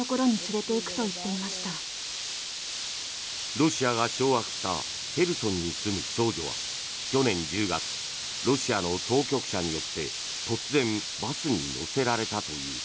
ロシアが掌握したヘルソンに住む少女は去年１０月ロシアの当局者によって突然バスに乗せられたという。